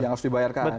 yang harus dibayarkan